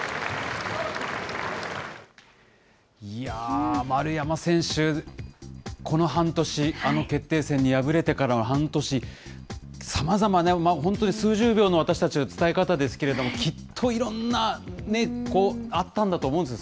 いやー、丸山選手、この半年、あの決定戦に敗れてから半年、さまざまね、本当に数十秒の私たちの伝え方ですけれども、きっといろんなね、あったんだと思うんです。